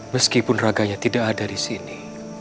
meskipun raganya tidak ada disini